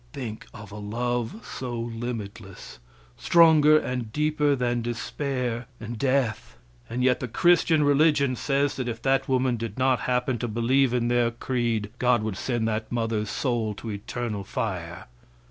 Think of a love so limitless, stronger and deeper than despair and death, and yet the Christian religion says that if that woman did not happen to believe in their creed, God would send that mother's soul to eternal fire.